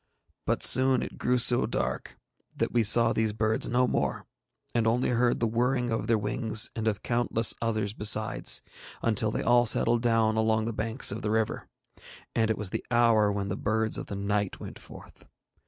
But soon it grew so dark that we saw these birds no more, and only heard the whirring of their wings, and of countless others besides, until they all settled down along the banks of the river, and it was the hour when the birds of the night went forth.